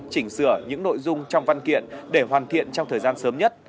chỉnh sửa những nội dung trong văn kiện để hoàn thiện trong thời gian sớm nhất